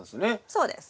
そうです。